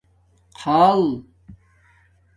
خآل